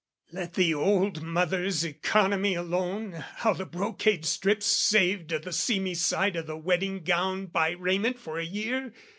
Let the old mother's economy alone, How the brocade strips saved o' the seamy side O' the wedding gown buy raiment for a year?